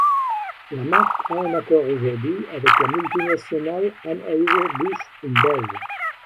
La marque a un accord aujourd'hui avec la multinationale Anheuser-Busch InBev.